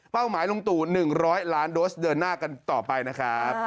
หมายลุงตู่๑๐๐ล้านโดสเดินหน้ากันต่อไปนะครับ